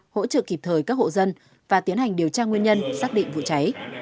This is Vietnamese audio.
hỗ trợ kịp thời các hộ dân và tiến hành điều tra nguyên nhân xác định vụ cháy